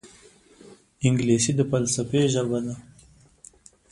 انګلیسي د فلسفې ژبه ده